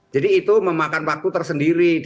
jadi itu memakan waktu tersendiri